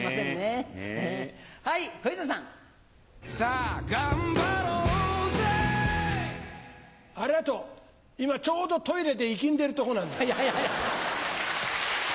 ありがとう今ちょうどトイレで息んでるとこなんだ。